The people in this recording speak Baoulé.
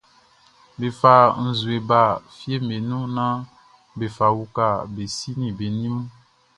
Be fa nzue ba fieʼm be nun naan be fa uka be si ni be ni mun.